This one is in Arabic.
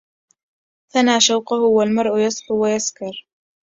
ثنى شوقه والمرء يصحو ويسكر